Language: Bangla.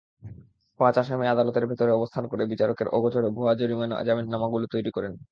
পাঁচ আসামি আদালতের ভেতরে অবস্থান করে বিচারকের অগোচরে ভুয়া জামিননামাগুলো তৈরি করেন।